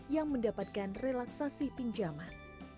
yang mendapatkan relaksasi pinjaman